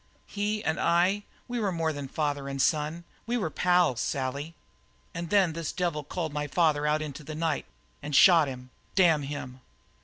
He and I we were more than father and son we were pals, Sally. And then this devil called my father out into the night and shot him. Damn him!"